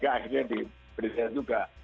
tidak akhirnya diberi saya juga